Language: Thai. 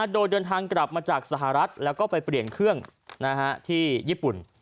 โดยเดินทางกลับมาจากสหรัฐแล้วก็ไปเปลี่ยนเครื่องที่ญี่ปุ่น